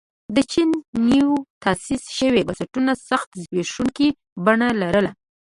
د چین نویو تاسیس شویو بنسټونو سخته زبېښونکې بڼه لرله.